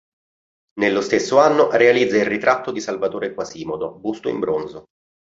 Nello stesso anno realizza il Ritratto di Salvatore Quasimodo, busto in bronzo.